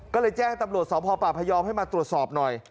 ก็เลยแจ้งตำรวจสพป่าพยอมให้มาตรวจสอบหน่อย